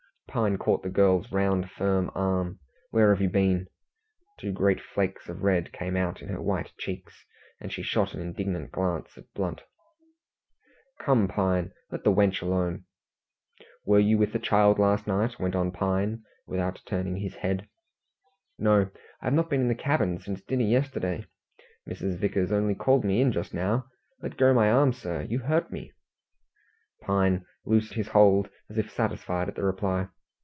Pine caught the girl's round firm arm. "Where have you been?" Two great flakes of red came out in her white cheeks, and she shot an indignant glance at Blunt. "Come, Pine, let the wench alone!" "Were you with the child last night?" went on Pine, without turning his head. "No; I have not been in the cabin since dinner yesterday. Mrs. Vickers only called me in just now. Let go my arm, sir, you hurt me." Pine loosed his hold as if satisfied at the reply.